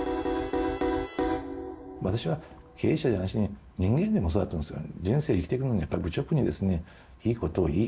私は経営者じゃなしに人間でもそうだと思うんですよ。